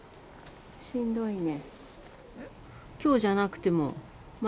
しんどいね。